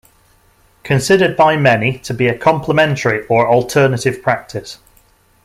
Considered by many to be a complementary or alternative practice.